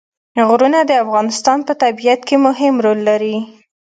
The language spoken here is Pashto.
غرونه د افغانستان په طبیعت کې مهم رول لري.